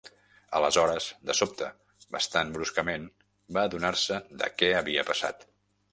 Aleshores de sobte, bastant bruscament, va adonar-se de què havia passat.